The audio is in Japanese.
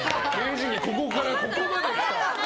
ここからここまで。